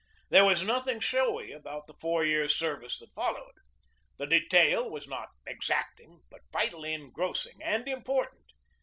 There was nothing showy about the four years' ser vice that followed. The detail was not exacting, but vitally engrossing and important.